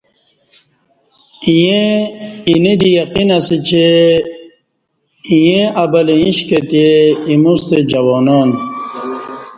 ییں اینہ دی یقین اسہ چہ اینہ ابلہ ایݩش کہتی ایموستہ جوانان